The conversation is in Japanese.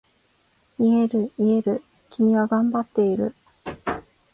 言える言える、君は頑張っている。